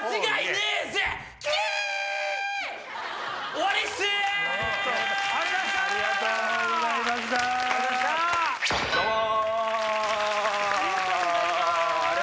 ありがとうございます。